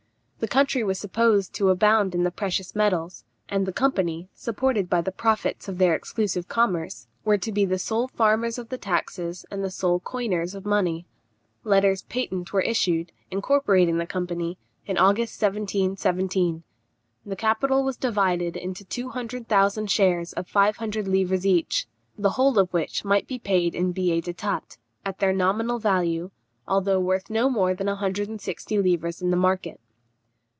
The country was supposed to abound in the precious metals; and the company, supported by the profits of their exclusive commerce, were to be the sole farmers of the taxes and sole coiners of money. Letters patent were issued, incorporating the company, in August 1717. The capital was divided into two hundred thousand shares of five hundred livres each, the whole of which might be paid in billets d'état, at their nominal value, although worth no more than a hundred and sixty livres in the market.